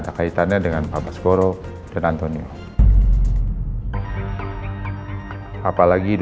tapi kalau ini lo baik baik aja jadi sesang